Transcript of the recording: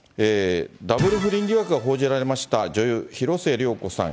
ダブル不倫疑惑が報じられました女優、広末涼子さん。